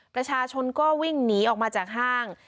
ประชาชนก็วิ่งหนีออกมาจากห้าง